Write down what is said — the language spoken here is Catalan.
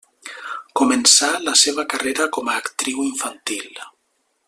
Començà la seva carrera com a actriu infantil.